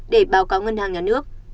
để báo cáo ngân hàng ngà nước